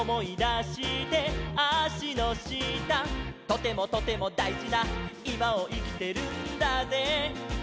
「とてもとてもだいじないまをいきてるんだぜ」